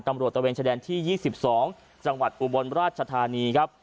ตะเวนชายแดนที่๒๒จังหวัดอุบลราชธานีครับ